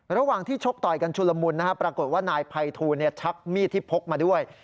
ระหว่างที่ชกต่อยกันชุลมุนปรากฏว่านายภัยทูลชักมีดที่พกมาด้วย